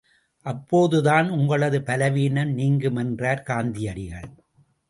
அப்போதுதான் உங்களது பலவீனம் நீங்கும் என்றார் காந்தியடிகள்.